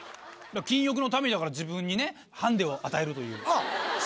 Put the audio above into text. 禁欲のためにだから自分にねハンディを与えるという。